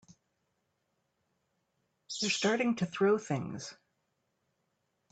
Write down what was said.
They're starting to throw things!